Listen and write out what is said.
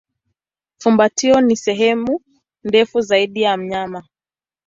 Fumbatio ni sehemu ndefu zaidi ya mnyama.